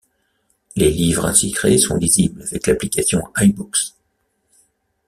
Les livres ainsi créés sont lisibles avec l'application iBooks.